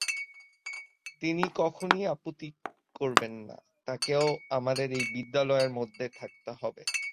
তিনি কখনোই আপত্তি করবেন না– তাঁকেও আমাদের এই বিদ্যালয়ের মধ্যে থাকতে হবে।